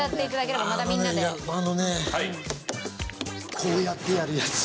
あのねこうやってやるやつ。